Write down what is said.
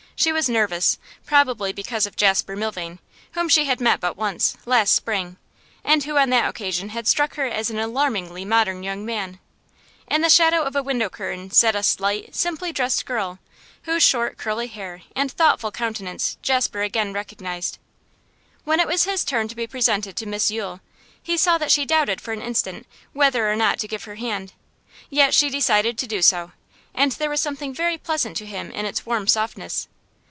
She was nervous, probably because of Jasper Milvain, whom she had met but once last spring and who on that occasion had struck her as an alarmingly modern young man. In the shadow of a window curtain sat a slight, simply dressed girl, whose short curly hair and thoughtful countenance Jasper again recognised. When it was his turn to be presented to Miss Yule, he saw that she doubted for an instant whether or not to give her hand; yet she decided to do so, and there was something very pleasant to him in its warm softness.